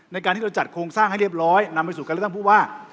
ในการที่เราจัดโครงสร้างให้เรียบร้อยนำไปสู่การเลือกตั้งผู้ว่า